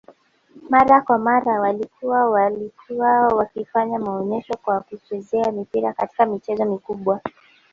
mara kwa mara walikua walikua wakifanya maonyesho kwa kuchezea mipira katika michezo mikubwa